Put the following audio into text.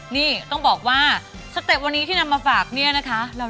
มีกาติ๊ปแล้วก็ใส่ข้าวเหนียวไปเลย